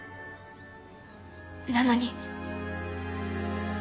なのに。